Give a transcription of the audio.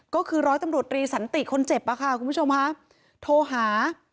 ก็คือร้อยตำรวจรีสันติคนเจ็บอะค่ะคุณผู้ชมค่ะโทรหา